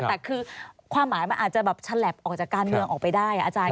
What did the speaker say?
แต่คือความหมายมันอาจจะแบบฉลับออกจากการเมืองออกไปได้อาจารย์